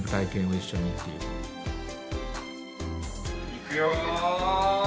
いくよ！